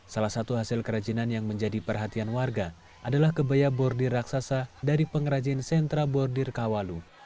salah satu hasil kerajinan yang menjadi perhatian warga adalah kebaya bordi raksasa dari pengrajin sentra bordir kawalu